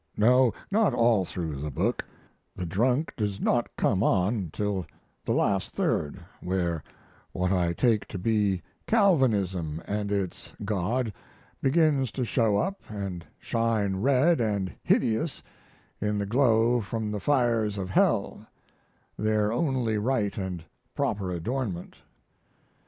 No, not all through the book the drunk does not come on till the last third, where what I take to be Calvinism & its God begins to show up & shine red & hideous in the glow from the fires of hell, their only right and proper adornment.